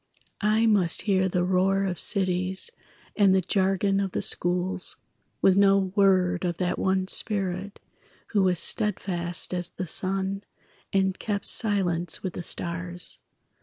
I must hear the roar of cities And the jargon of the schools, With no word of that one spirit Who was steadfast as the sun And kept silence with the stars.